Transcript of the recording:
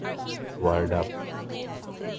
Word up!